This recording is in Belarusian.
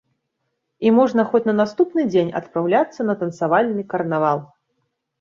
І можна хоць на наступны дзень адпраўляцца на танцавальны карнавал.